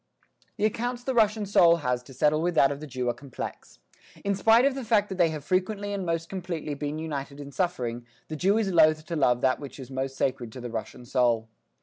The accounts the Russian soul has to settle with that of the Jew are complex. In spite of the fact they have frequently and most completely been united in suffering, the Jew is loath to love that which is most sacred to the Russian soul.